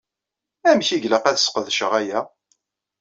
Amek i ilaq ad sqedceɣ aya?